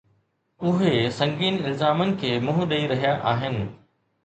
اهي سنگين الزامن کي منهن ڏئي رهيا آهن.